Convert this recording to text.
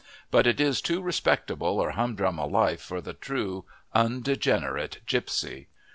But it is too respectable or humdrum a life for the true, undegenerate gipsy.